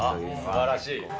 すばらしい。